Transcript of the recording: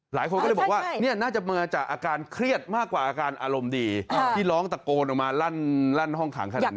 หลายคนก็เลยบอกว่านี่น่าจะมาจากอาการเครียดมากกว่าอาการอารมณ์ดีที่ร้องตะโกนออกมาลั่นห้องขังขนาดนี้